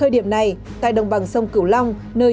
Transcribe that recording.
để bắt đầu trả lời này